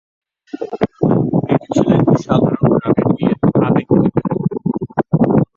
এটি ছিল একটি সাধারণ গ্রামের মেয়ের আবেগময় কাহিনী।